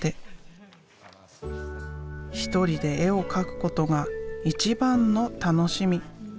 一人で絵を描くことが一番の楽しみ。